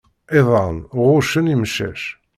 Iḍan ɣuccen imcac.